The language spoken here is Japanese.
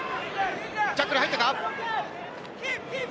ジャッカル入ったか。